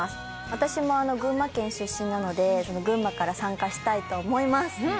私も群馬県出身なので群馬県から参加したいと思います。